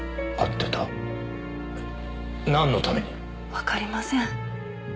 わかりません。